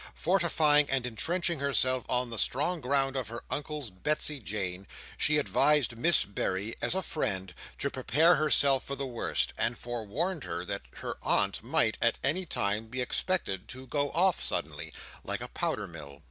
Fortifying and entrenching herself on the strong ground of her Uncle's Betsey Jane, she advised Miss Berry, as a friend, to prepare herself for the worst; and forewarned her that her aunt might, at any time, be expected to go off suddenly, like a powder mill.